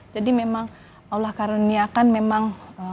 jadi memang allah karunia kan memang